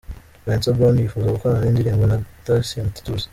Vincent Brown yifuza gukorana indirimbo na Thacien Titus.